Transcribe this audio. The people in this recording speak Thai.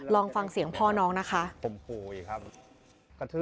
ลองฟังเสียงพ่อน้องนะคะ